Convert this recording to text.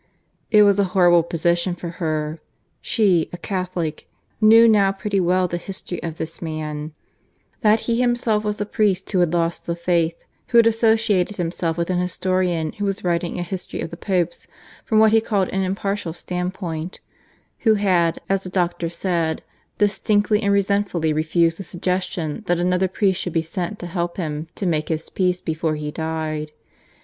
It was a horrible position for her. She, a Catholic, knew now pretty well the history of this man that he himself was a priest who had lost the faith, who had associated himself with an historian who was writing a history of the Popes from what he called an impartial standpoint, who had, as the doctor said, distinctly and resentfully refused the suggestion that another priest should be sent to help him to make his peace before he died.